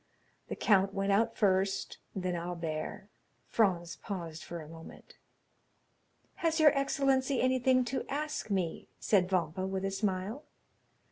The count went out first, then Albert. Franz paused for a moment. "Has your excellency anything to ask me?" said Vampa with a smile.